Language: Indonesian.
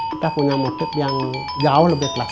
kita punya motif yang jauh lebih enak